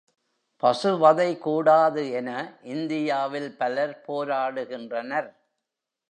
பசுவதை கூடாது என இந்தியாவில் பலர் போராடுகின்றனர்.